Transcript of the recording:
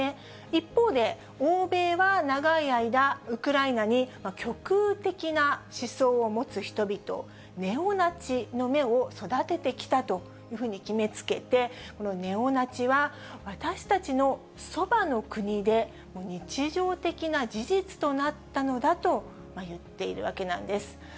一方で、欧米は長い間、ウクライナに極右的な思想を持つ人々、ネオナチの芽を育ててきたというふうに決めつけて、このネオナチは、私たちのそばの国で日常的な事実となったのだと言っているわけなんです。